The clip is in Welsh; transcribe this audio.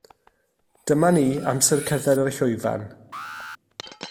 Dyma ni, amser cerdded ar y llwyfan